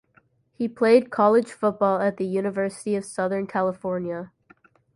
He played college football at the University of Southern California.